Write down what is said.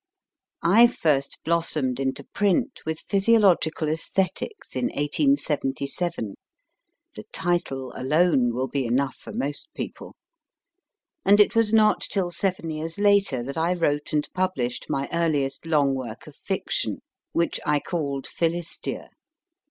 I first blossomed into print with Physiological ^Esthetics in 1877 the title alone will be enough for most people and it was not till seven years later that I wrote and published my earliest long work of fiction, which I called Philistia.